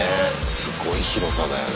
すごい広さだよね。